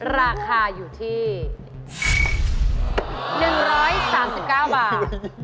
ราคาอยู่ที่๑๓๙บาท